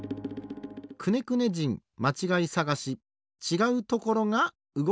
「くねくね人まちがいさがし」ちがうところがうごきます。